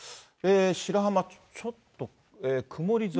白浜、ちょっと曇り空。